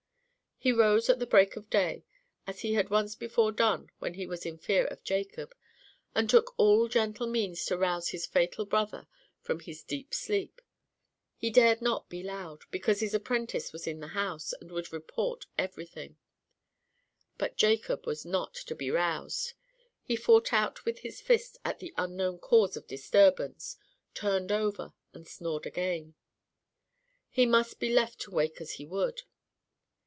He rose at break of day, as he had once before done when he was in fear of Jacob, and took all gentle means to rouse this fatal brother from his deep sleep; he dared not be loud, because his apprentice was in the house, and would report everything. But Jacob was not to be roused. He fought out with his fist at the unknown cause of disturbance, turned over, and snored again. He must be left to wake as he would.